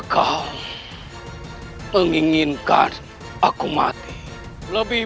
kau menginginkan aku mati